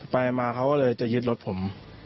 ไปมาเขาก็เลยจะยึดรถผม